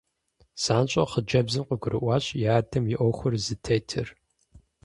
ЗанщӀэу хъыджэбзым къыгурыӀуащ и адэм и Ӏуэхур зытетыр.